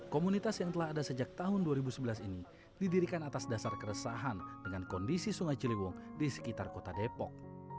komunitas yang telah ada sejak tahun dua ribu sebelas ini didirikan atas dasar keresahan dengan kondisi sungai ciliwung di sekitar kota depok